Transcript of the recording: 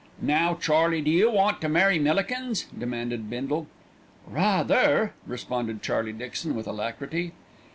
"Now, Charlie, do you want to marry Millikins?" demanded Bindle. "Ra_ther_," responded Charlie Dixon with alacrity.